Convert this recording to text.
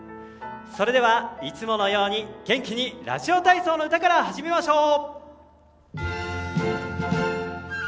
それでは、いつものように元気に「ラジオ体操のうた」から始めましょう！